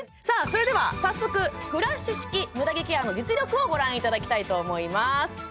さあそれでは早速フラッシュ式ムダ毛ケアの実力をご覧いただきたいと思います